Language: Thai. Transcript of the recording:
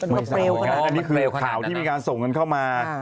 ไม่สาวนะอันนี้คือข่าวที่มีการส่งกันเข้ามา